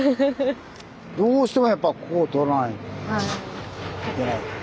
どうしてもやっぱここを通らないといけない。